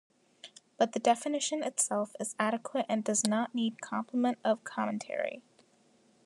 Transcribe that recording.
But the definition itself is adequate and does not need complement of commentary.